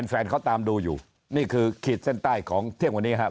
แฟนเขาตามดูอยู่นี่คือขีดเส้นใต้ของเที่ยงวันนี้ครับ